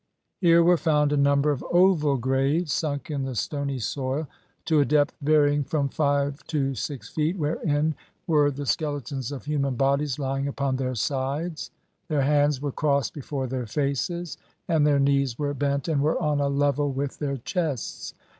Here were found a number of oval graves, sunk in the stony soil to a depth vary ing from five to six feet, wherein were the skeletons of human bodies lying upon their sides ; their hands were crossed before their faces, and their knees were bent and were on a level with their chests.